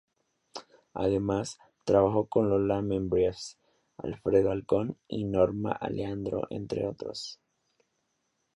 Además, trabajó con Lola Membrives, Alfredo Alcón y Norma Aleandro, entre otros.